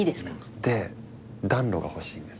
で暖炉が欲しいんです。